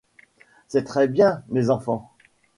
C’est très bien, mes enfants...